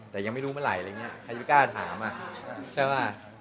แต่ยังไม่รู้เมื่อไหร่อะไรอย่างนี้ใครจะกล้าถามใช่ป่ะ